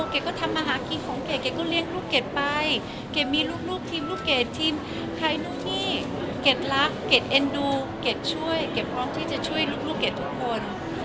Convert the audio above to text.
เกจรักเกจเอ็นดู่เกจช่วยเกจรับร้องที่จะช่วยลูกเกจทุกคน